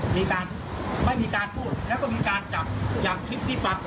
ไม่มีการพูดแล้วก็มีการจับอย่างคิดที่ปรับ